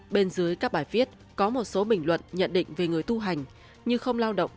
bên dưới các bài viết có một số bình luận nhận định về người tu hành như không lao động